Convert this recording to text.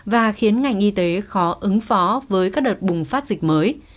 và khiến ngành y tế khó ứng phó với các đợt bùng phát dịch mới